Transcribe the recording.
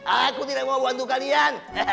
aku tidak mau bantu kalian